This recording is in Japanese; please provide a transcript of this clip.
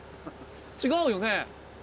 違うよね？